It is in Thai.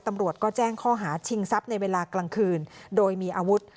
ตำรวจก็แจ้งข้อหาชิงทรัพย์ในเวลากลางคืนโดยมีอาวุธ